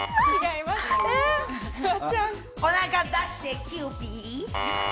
おなか出してキユーピー。